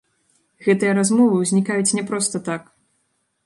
Гэтыя размовы ўзнікаюць не проста так!